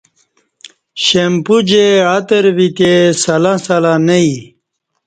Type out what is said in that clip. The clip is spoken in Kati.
شمپو جے عطر ویتہ سلں سلں نہ یی